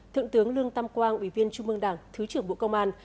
thượng tướng lương tam quang ủy viên trung mương đảng thứ trưởng bộ công an